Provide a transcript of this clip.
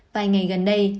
vài ngày gần đây